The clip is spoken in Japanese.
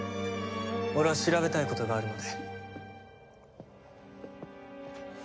俺は調べたいことがあるので。